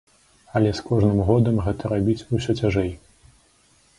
Але з кожным годам гэта рабіць усё цяжэй.